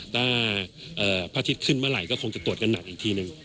ถ้าพระอาทิตย์ขึ้นเมื่อไหร่ก็คงจะตรวจกันหนักอีกทีหนึ่ง